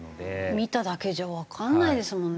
見ただけじゃわかんないですもんね。